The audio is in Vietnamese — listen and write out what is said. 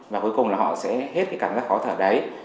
và cuối cùng là họ sẽ hết cái cảm giác khó thở đấy